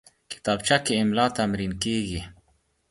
کتابچه کې املا تمرین کېږي